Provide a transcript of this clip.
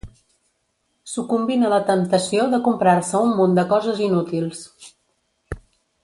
Sucumbint a la temptació de comprar-se un munt de coses inútils.